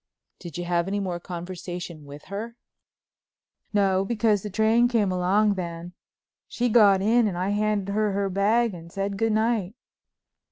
'" "Did you have any more conversation with her?" "No, because the train came along then. She got in and I handed her her bag and said 'Good night.'"